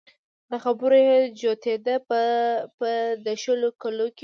له خبرو يې جوتېده په د شلو کلو کې